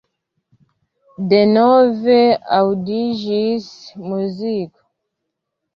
Denove aŭdiĝis muziko.